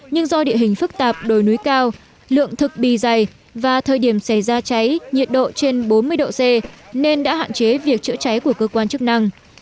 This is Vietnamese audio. nhưng do địa hình phức tạp đồi núi cao lượng thực bì dày và thời điểm xảy ra cháy nhiệt độ trên bốn mươi độ c nên đã hạn chế việc chữa cháy của cơ quan chức năng